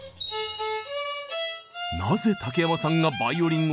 なぜ竹山さんがバイオリンを？